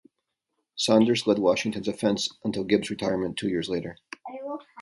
Saunders led Washington's offense until Gibbs retirement two years later.